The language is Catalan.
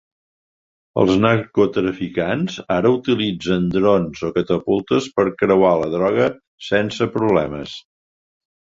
Els narcotraficants ara utilitzen drons o catapultes per creuar la droga sense problemes.